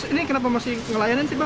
ini kenapa masih ngelayanin sih bang